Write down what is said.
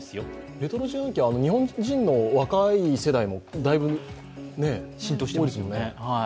レトロ自販機、日本人の若い世代もだいぶ浸透していますよね。